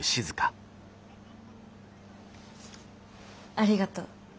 ありがとう。